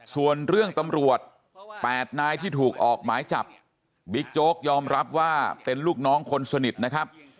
ส่วนเรื่องตำรวจ๘นายที่ถูกออกหมายจับบิ๊กโจ๊กยอมรับว่าเป็นลูกน้องคนสนิทนะครับ